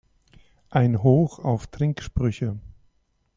Ein Hoch auf Trinksprüche!